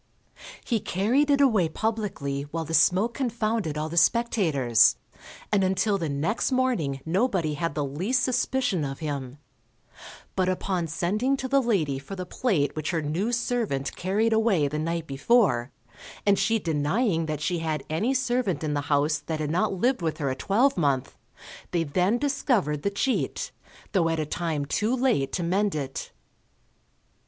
He carried it away publicly, while the smoke confounded all the spectators, and until the next morning nobody had the least suspicion of him; but upon sending to the lady for the plate which her new servant carried away the night before, and she denying that she had any servant in the house that had not lived with her a twelvemonth, they then discovered the cheat, though at a time too late to mend it.